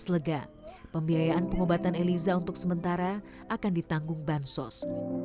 selega pembiayaan pengobatan eliza untuk sementara akan ditanggung bansos